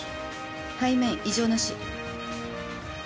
背面異状なし。